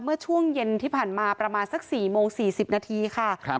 เมื่อช่วงเย็นที่ผ่านมาประมาณสัก๔โมง๔๐นาทีค่ะ